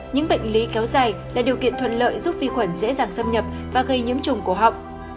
những bệnh lý kéo dài là điều kiện thuận lợi giúp vi khuẩn dễ dàng xâm nhập và gây nhiễm trùng của họng